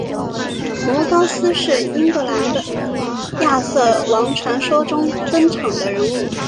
摩高斯是英格兰的亚瑟王传说中登场的人物。